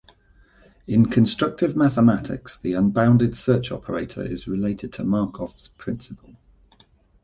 In constructive mathematics, the unbounded search operator is related to Markov's principle.